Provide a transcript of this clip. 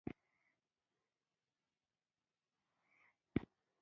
بزګر د کار او زیار هیرو نه دی